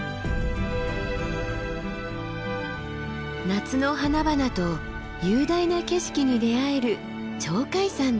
夏の花々と雄大な景色に出会える鳥海山です。